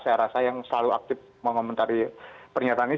saya rasa yang selalu aktif mengomentari pernyataan ini